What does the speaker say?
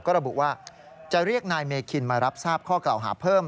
ก็ระบุว่าจะเรียกนายเมคินมารับทราบข้อกล่าวหาเพิ่ม